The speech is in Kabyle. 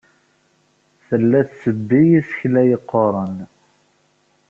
Tella tettebbi isekla yeqquren.